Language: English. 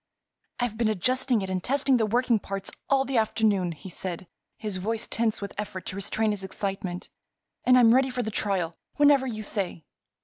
"I've been adjusting it and testing the working parts all the afternoon," he said, his voice tense with effort to restrain his excitement, "and I'm ready for the trial whenever you say."